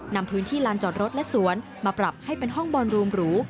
นำพื้นที่ลานจอดรถและสวนมาปรับให้เป็นห้องบอลรวมหรู